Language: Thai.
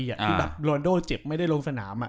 ที่แบบโรนโดเจ็บไม่ได้ลงสนาม